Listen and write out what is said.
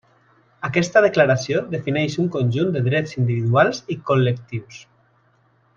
Aquesta declaració defineix un conjunt de drets individuals i col·lectius.